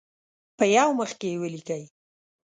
په یو مخ کې یې ولیکئ.